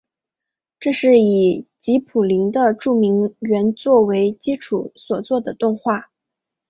这是以吉卜林的著名原作为基础所做的动画。